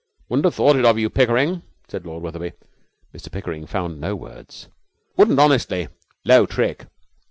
'Wouldn't have thought it of you, Pickering,' said Lord Wetherby. Mr Pickering found no words. 'Wouldn't, honestly. Low trick!'